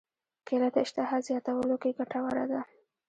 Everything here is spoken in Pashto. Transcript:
کېله د اشتها زیاتولو کې ګټوره ده.